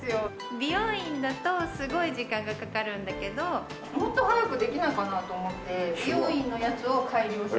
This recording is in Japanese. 美容院だとすごい時間がかかるんだけどもっと早くできないかな？と思って美容院のやつを改良して。